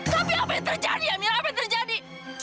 tapi apa yang terjadi ambil apa yang terjadi